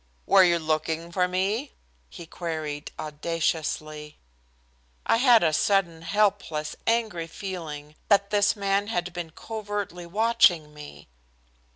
"Were you looking for me?" he queried audaciously. I had a sudden helpless, angry feeling that this man had been covertly watching me.